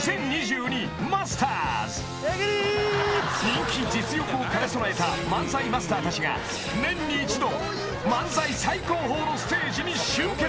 ［人気実力を兼ね備えた漫才マスターたちが年に一度漫才最高峰のステージに集結］